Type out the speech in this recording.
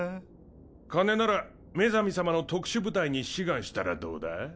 金ならメザミ様の特殊部隊に志願したらどうだ？